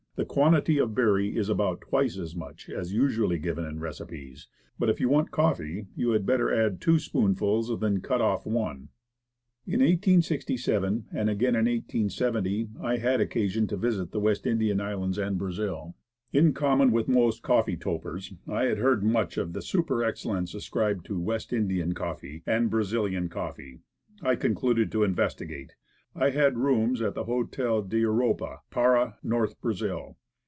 The quantity of berry is about twice as much as usually given in recipes; but if you want coffee, you had better add two spoonfuls than cut off one. In 1867, and again in 1870, I had occasion to visit the West India Islands and Brazil. In common with most coffee topers, I had heard much of the super excellence ascribed to "West India coffee" and "Bra zilian coffee.' I concluded to investigate. I had rooms at the Hotel d'Europe, Para, North Brazil.